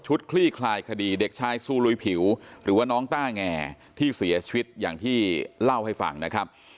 คลี่คลายคดีเด็กชายซูลุยผิวหรือว่าน้องต้าแงที่เสียชีวิตอย่างที่เล่าให้ฟังนะครับ